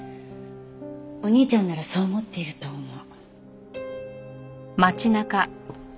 お兄ちゃんならそう思っていると思う。